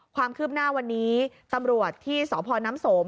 ความคืบหน้าวันนี้ตำรวจที่สพน้ำสม